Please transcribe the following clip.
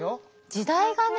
時代がね